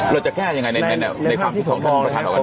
เราจะแก้อย่างไรในความคิดของท่านครับ